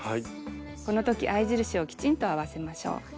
このとき合い印をきちんと合わせましょう。